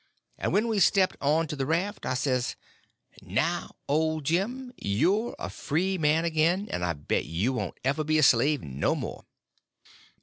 And when we stepped on to the raft I says: "Now, old Jim, you're a free man again, and I bet you won't ever be a slave no more."